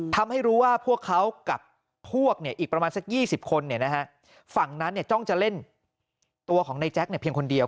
ทำให้รู้ว่าพวกเขากับพวกอีกประมาณสัก๒๐คนฝั่งนั้นจ้องจะเล่นตัวของในแจ๊คเพียงคนเดียว